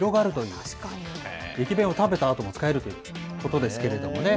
駅弁を食べたあとも使えるということですけれどもね。